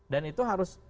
dan itu harus